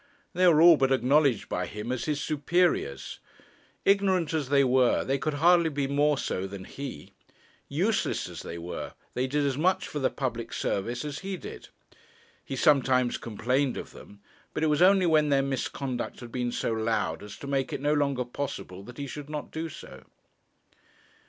They were all but acknowledged by him as his superiors. Ignorant as they were, they could hardly be more so than he. Useless as they were, they did as much for the public service as he did. He sometimes complained of them; but it was only when their misconduct had been so loud as to make it no longer possible that he should not do so.